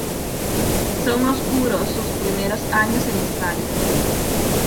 Son oscuros sus primeros años en España.